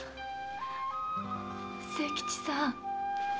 清吉さん。